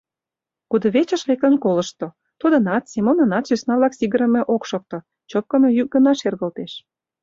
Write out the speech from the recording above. Кудывечыш лектын колышто: тудынат, Семонынат сӧсна-влак сигырыме ок шокто, чопкымо йӱк гына шергылтеш.